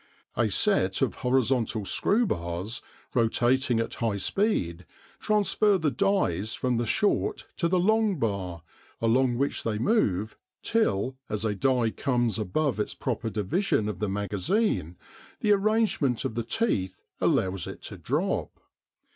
A set of horizontal screw bars, rotating at high speed, transfer the dies from the short to the long bar, along which they move till, as a die comes above its proper division of the magazine, the arrangement of the teeth allows it to drop.